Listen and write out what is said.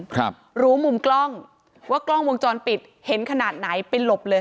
ครับรู้มุมกล้องว่ากล้องวงจรปิดเห็นขนาดไหนไปหลบเลย